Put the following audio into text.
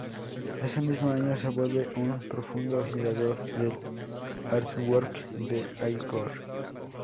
Ese mismo año se vuelve un profundo admirador del artwork de All Gore.